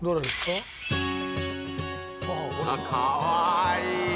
あっかわいい！